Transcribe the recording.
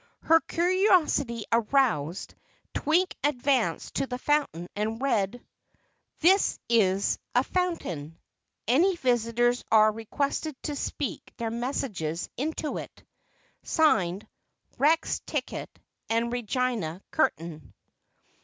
Her curiosity aroused, Twink advanced to the fountain and read: This is a Phontain. Any visitors are requested to speak their messages into it. Signed: Rex Ticket & Regina Curtain.